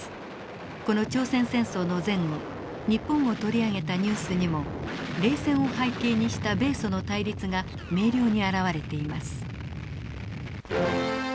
この朝鮮戦争の前後日本を取り上げたニュースにも冷戦を背景にした米ソの対立が明瞭に表れています。